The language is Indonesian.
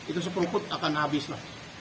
itu sepungkut akan habis wak